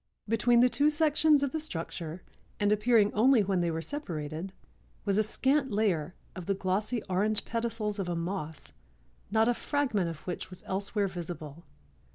Between the two sections of the structure and appearing only when they were separated, was a scant layer of the glossy orange pedicels of a moss not a fragment of which was elsewhere visible.